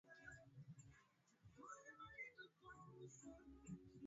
ni la Wamisionari au wafuasi wa dini